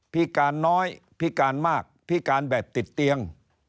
พิการน้อยพิการมากพิการแบบติดเตียง